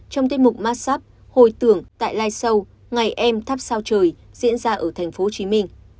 trong tiết mục mát sáp hồi tưởng tại lai sâu ngày em thắp sao trời diễn ra ở tp hcm